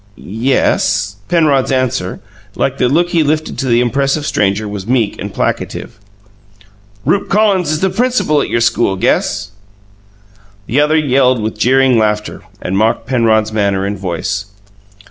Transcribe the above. "Ye es." Penrod's answer, like the look he lifted to the impressive stranger, was meek and placative. "Rupe Collins is the principal at your school, guess." The other yelled with jeering laughter, and mocked Penrod's manner and voice.